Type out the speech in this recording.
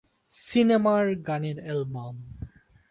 সিনেমা’র গানের এলবাম